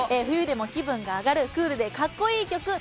「冬でも気分がアガるクールでかっこいい曲」。